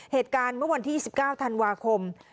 เหตุการณ์เมื่อวันที่๒๙ธันวาคม